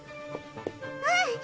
うん！